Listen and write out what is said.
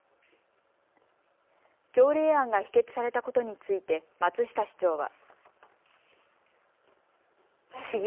条例案が否決されたことについて松下市長は。